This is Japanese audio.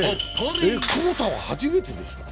クボタは初めてでしたっけ？